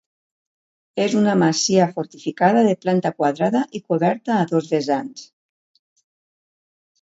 És una masia fortificada de planta quadrada i coberta a dos vessants.